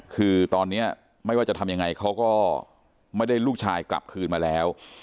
คือตอนนี้ไม่ว่าจะทำยังไงเขาก็ไม่ได้ลูกชายกลับคืนมาแล้ว